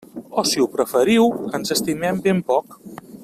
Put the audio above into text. O si ho preferiu, ens estimem ben poc.